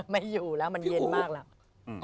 ไม่อยู่แล้วมันเย็นมากแล้ว